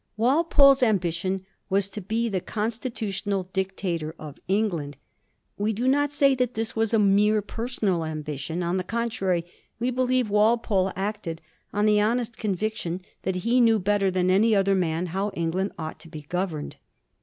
Walpole's ambition was to be the constitutional dic tator of England. We do not say that this was a mere personal ambition ; on the contrary, we believe Walpole acted on the honest conviction that he knew better than any other man how England ought to be governed.